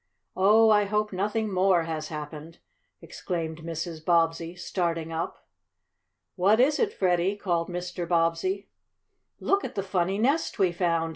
"Oh, I hope nothing more has happened!" exclaimed Mrs. Bobbsey, starting up. "What is it, Freddie?" called Mr. Bobbsey. "Look at the funny nest we found!"